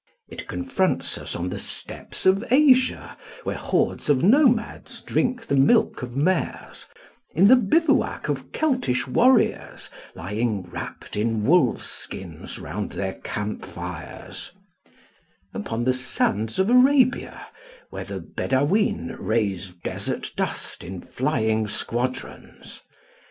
It confronts us on the steppes of Asia, where hordes of nomads drink the milk of mares; in the bivouac of Keltish warriors, lying wrapped in wolves' skins round their camp fires; upon the sands of Arabia, where the Bedaween raise desert dust in flying squadrons.